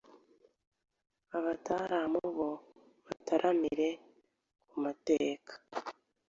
Abataramu bo bataramire ku mateka